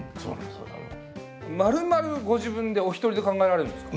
まるまるご自分でお一人で考えられるんですか？